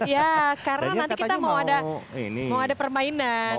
ya karena nanti kita mau ada permainan